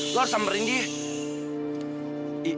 lu harus samperin dia